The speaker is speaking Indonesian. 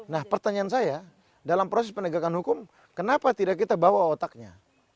nah pertanyaan saya dalam proses penegakan hukum kenapa tidak kita bawa otaknya